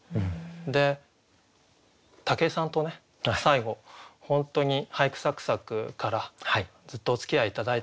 で武井さんとね最後本当に「俳句さく咲く！」からずっとおつきあい頂いて。